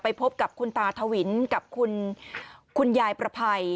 พบกับคุณตาทวินกับคุณยายประภัย